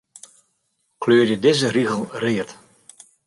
Kleurje dizze rigel read.